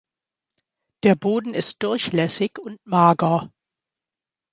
Der Boden ist durchlässig und mager.